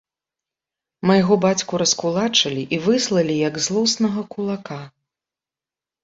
Майго бацьку раскулачылі і выслалі, як злоснага кулака.